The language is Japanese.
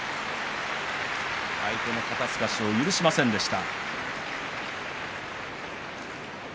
相手の肩すかしを許しませんでした。